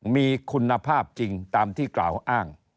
มีคุณภาพจริงตามที่กล่าวอ้าง